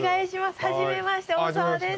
初めまして、大沢です。